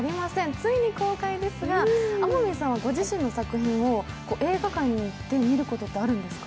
ついに公開ですが、天海さんはご自身の作品を映画館に行って見ることあるんですか？